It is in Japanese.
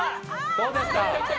どうですか？